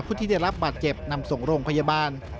ผู้ที่ได้รับบาดเจ็บนำส่งโรงพยาบาล